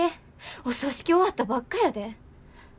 お葬式終わったばっかやで。